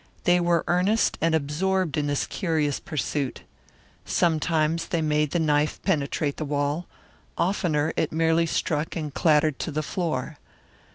They were earnest and absorbed in this curious pursuit. Sometimes they made the knife penetrate the wall, oftener it merely struck and clattered to the floor.